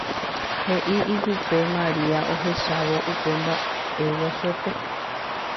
he'i ijupe Maria ohechávo upe mba'e guasuete.